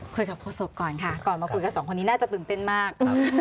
โฆษกก่อนค่ะก่อนมาคุยกับสองคนนี้น่าจะตื่นเต้นมาก